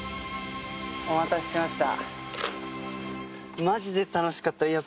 お待たせしました。